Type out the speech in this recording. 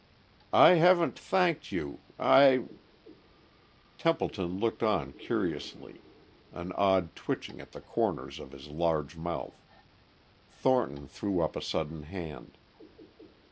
"I haven't thanked you ... I ..." Templeton looked on curiously, an odd twitching at the corners of his large mouth. Thornton threw up a sudden hand.